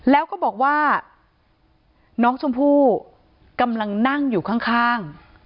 แล้วก็บอกว่าน้องชมพู่กำลังนั่งอยู่ข้าง